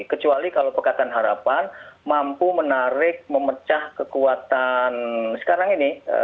kecuali kalau pekatan harapan mampu menarik memecah kekuatan sekarang ini